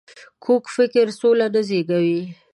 کوږ فکر سوله نه زېږوي